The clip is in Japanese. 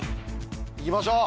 いきましょう。